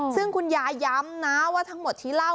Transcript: ซึ่งคุณยายย้ำนะว่าทั้งหมดที่เล่า